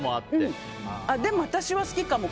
でも、私は好きかも。